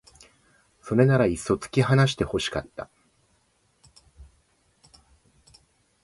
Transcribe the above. それならいっそう突き放して欲しかった